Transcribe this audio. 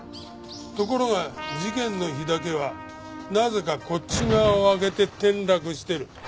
ところが事件の日だけはなぜかこっち側を開けて転落してる。